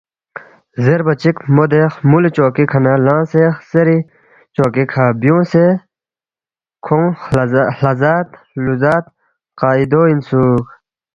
زیربا چِک مو دے خُمولی چوکی کھہ نہ لنگسے خسیری چوکی کھہ بیُونگسے نہ کھونگ ہلا ذات ہلُو ذاتی قاعدو اِنسُوک